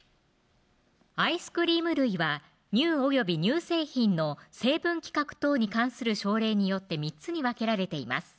アイスクリーム類は乳及び乳製品の成分規格等に関する省令によって３つに分けられています